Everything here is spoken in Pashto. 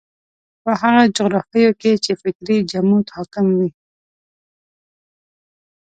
په هغو جغرافیو کې چې فکري جمود حاکم وي.